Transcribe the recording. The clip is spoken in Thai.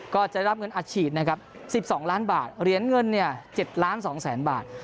ก็จะรับเงินอัดฉีดนะครับ๑๒ล้านบาทเหรียญเงิน๗ล้าน๒แสนบาท